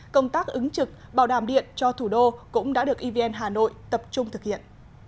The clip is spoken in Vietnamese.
công tác ứng trực bảo đảm điện cho thủ đô cũng đã được evn hà nội tập trung thực hiện